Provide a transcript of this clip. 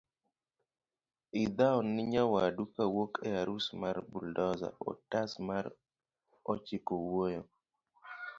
idhau ni nyawadu kowuok e arus mar buldoza otas mar ochiko wuoyo